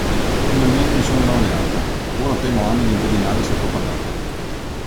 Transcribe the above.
Finalmente mi sono laureata, ora temo anni di interinale sottopagato.